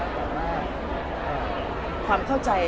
แต่ว่าความเข้าใจ